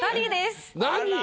何？